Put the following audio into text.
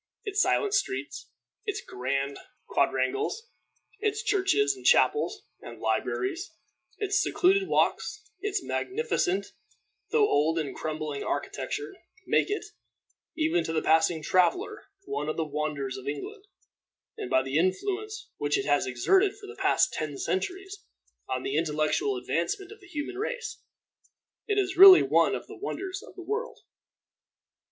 Its silent streets; its grand quadrangles; its churches, and chapels, and libraries; its secluded walks; its magnificent, though old and crumbling architecture, make it, even to the passing traveler, one of the wonders of England; and by the influence which it has exerted for the past ten centuries on the intellectual advancement of the human race, it is really one of the wonders of the world.